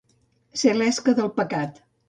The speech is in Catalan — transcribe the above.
Ser l'esca del pecat.